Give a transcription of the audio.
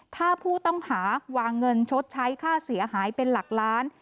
ถ้าผู้ต้องหาวางเงินชดใช้ค่าเสียหายเป็นหลักล้าน